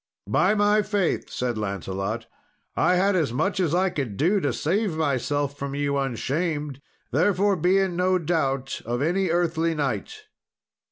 "By my faith," said Lancelot, "I had as much as I could do to save myself from you unshamed, therefore be in no doubt of any earthly knight."